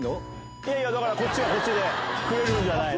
いやいや、だから、こっちはこっちで食えるんじゃないの。